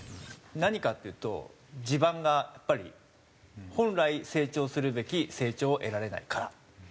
何かっていうと地盤がやっぱり本来成長するべき成長を得られないから。